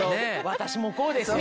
私もこうですよ。